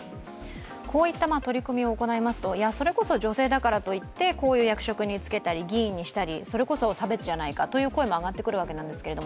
こういった取り組みを行いますとそれこそ女性だからといったこういう役職に就けたり、議員にしたりそれこそ差別じゃないかという声も上がってくるわけですれど